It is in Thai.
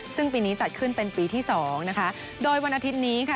ซึ่งปีนี้จัดขึ้นเป็นปีที่สองนะคะโดยวันอาทิตย์นี้ค่ะ